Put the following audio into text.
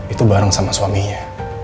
itu bareng sama suaminya